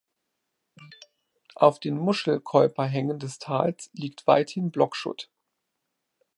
Auf den Muschelkeuperhängen des Tals liegt weithin Blockschutt.